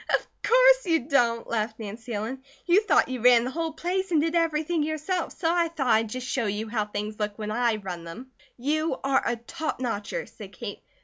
"Of course you don't," laughed Nancy Ellen. "You thought you ran the whole place and did everything yourself, so I thought I'd just show you how things look when I run them." "You are a top notcher," said Kate.